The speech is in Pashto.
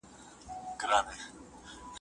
د سنګسار تر روستۍ ډبرې لاندې ورته ګوري،